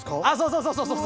そうそうそうそう！